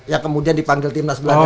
yang kemudian dipanggil timnas belanda